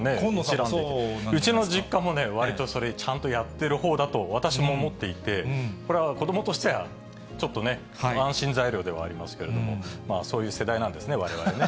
うちの実家もね、わりとそれ、ちゃんとやってる方だと、私も思っていて、これは子どもとしては、ちょっとね、安心材料ではありますけれども、そういう世代なんですね、われわれね。